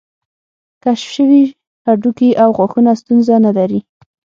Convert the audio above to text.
کشف شوي هډوکي او غاښونه ستونزه نه لرله.